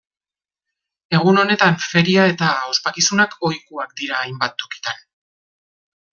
Egun honetan feria eta ospakizunak ohikoak dira hainbat tokitan.